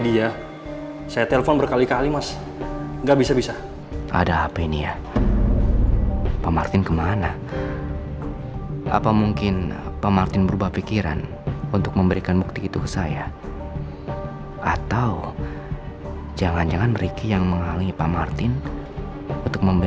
di jawa baru saya juga dari kemarin nyari nyari di jawa baru saya juga dari kemarin nyari nyari di